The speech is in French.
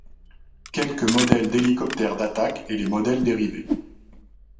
Quelques modèles d'hélicoptères d'attaque et les modèles dérivés.